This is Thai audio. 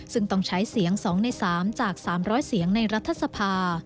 ซึ่งต้องใช้เสียง๒ใน๓จาก๓๐๐เสียงในรัฐสภา